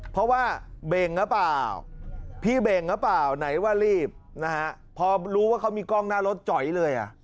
เพราะว่าเบ่งหรือเปล่าพี่เบ่งหรือเปล่าไหนว่ารีบนะฮะพอรู้ว่าเขามีกล้องหน้ารถจ๋อยเลยอ่ะ